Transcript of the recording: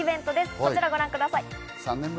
こちらをご覧ください。